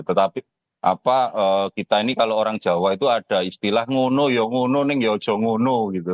tetapi apa kita ini kalau orang jawa itu ada istilah nguno yang nguno yang yang jangan nguno gitu